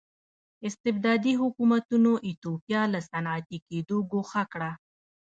استبدادي حکومتونو ایتوپیا له صنعتي کېدو ګوښه کړه.